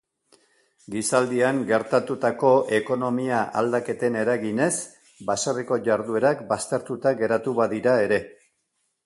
Gizaldian gertatutako ekonomia-aldaketen eraginez baserriko jarduerak baztertuta geratu badira ere.